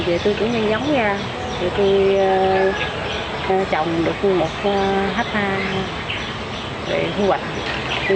vì vậy tôi cũng nhanh giống ra rồi tôi trồng được một hectare rồi thu hoạch